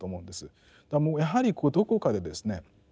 もうやはりどこかでですね